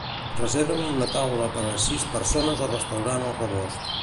Reservar una taula per a sis persones al restaurant El Rebost.